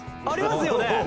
「ありますよね？」